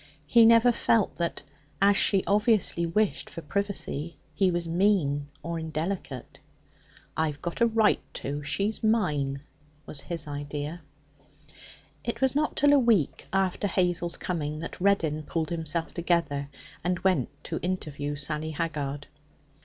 He never felt that, as she obviously wished for privacy, he was mean or indelicate. 'I've got a right to. She's mine,' was his idea. It was not till a week after Hazel's coming that Reddin pulled himself together, and went to interview Sally Haggard.